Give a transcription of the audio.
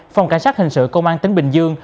phòng cảnh sát hình sự công an tỉnh bình dương